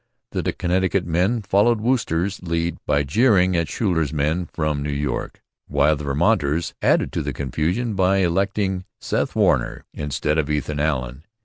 The Connecticut men followed Wooster's lead by jeering at Schuyler's men from New York; while the Vermonters added to the confusion by electing Seth Warner instead of Ethan Allen.